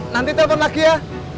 nanti telepon lagi ya